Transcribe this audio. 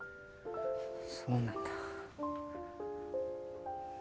そうなんだ。